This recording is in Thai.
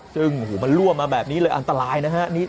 ซึ่งมันรั่วมาแบบนี้เลยอันตรายนะฮะ